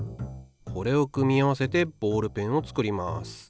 これを組み合わせてボールペンを作ります。